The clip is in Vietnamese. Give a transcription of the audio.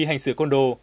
hành xử con đồ